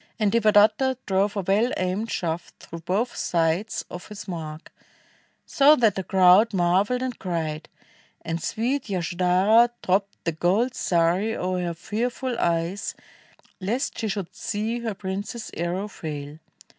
And Devadatta drove a well aimed shaft Through both sides of his mark, so that the crowd Marveled and cried; and sweet Yasodhara Dropped the gold sari o'er her fearful eyes, Lest she should see her prince's arrow fail.